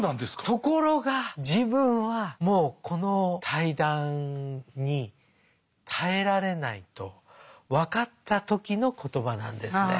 ところが自分はもうこの対談に耐えられないと分かった時の言葉なんですね。